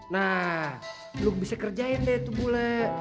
nah belum bisa kerjain deh tuh bule